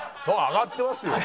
上がってますよ。